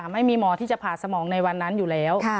ไม่มีหมอที่จะผ่าสมองในวันนั้นอยู่แล้ว